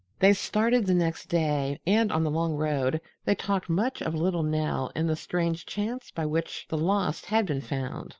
They started the next day, and on the long road they talked much of little Nell and the strange chance by which the lost had been found.